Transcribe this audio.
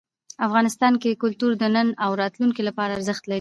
افغانستان کې کلتور د نن او راتلونکي لپاره ارزښت لري.